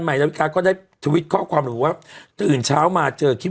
ใหม่แล้วอีกการก็ได้ข้อความหนูว่าตื่นเช้ามาเจอคิด